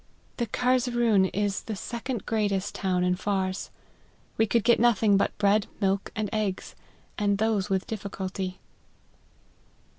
Though Gar zeroon is the second greatest town in Fars, we could get nothing but bread, milk, and eggs, and those with difficulty."